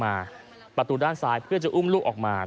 มาเอาลูกฝังอยากจะบนในตะวันขาย